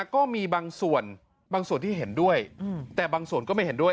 ก็มีบางส่วนบางส่วนที่เห็นด้วยแต่บางส่วนก็ไม่เห็นด้วย